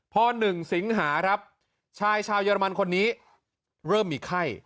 พอ๑สิงหาครับชายชาวเยอรมันคนนี้เริ่มมีไข้